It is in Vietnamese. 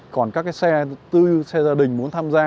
còn các cái xe tư xe gia đình muốn tham gia